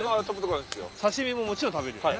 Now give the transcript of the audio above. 刺し身ももちろん食べるよね？